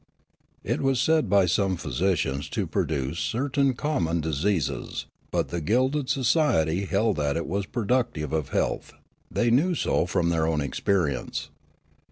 It was said by some phj'sicians to produce certain common diseases, but the gilded society held that it was productive of health ; they knew so from their own experience.